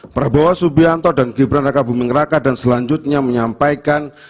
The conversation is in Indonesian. prabowo subianto dan gibran raka buming raka dan selanjutnya menyampaikan